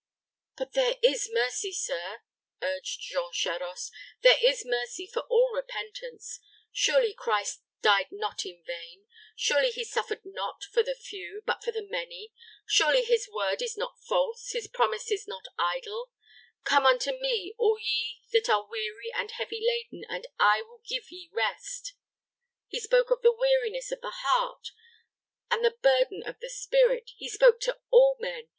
"But there is mercy, sir," urged Jean Charost; "there is mercy for all repentance. Surely Christ died not in vain. Surely he suffered not for the few, but for the many. Surely his word is not false, his promises not idle! 'Come unto me, all ye that are weary and heavy laden, and I will give ye rest.' He spoke of the weariness of the heart, and the burden of the spirit He spoke to all men.